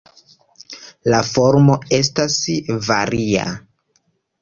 La formo estas varia.